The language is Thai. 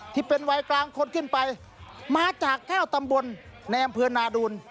ที่เป็นวัยกลางคนขึ้นไปมาจาก๙ตำบลในอำเภอนาดูล